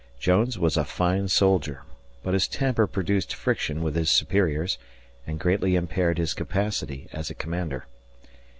Jones was a fine soldier, but his temper produced friction with his superiors and greatly impaired his capacity as a commander.